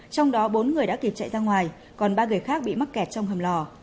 trong đó bốn người đã kịp chạy ra ngoài còn ba người khác bị mắc kẹt trong hầm lò